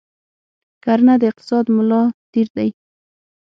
کرنه د اقتصاد ملا تیر دی.